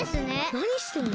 なにしてんの？